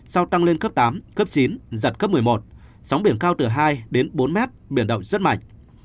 sau tăng lên cấp tám cấp chín giật cấp một mươi một sóng biển cao từ hai đến bốn mét biển động rất mạnh